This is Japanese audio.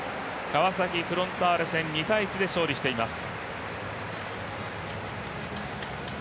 川崎フロンターレ戦、２−１で勝利しています。